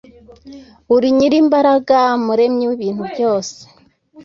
Uri nyirimbaraga muremy w’ibintu byose